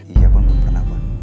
iya buan belum pernah buan